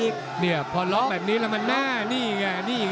อยู่ที่กรรมการแล้วตอนนี้